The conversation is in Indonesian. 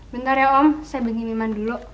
bentar ya om saya bantu iman dulu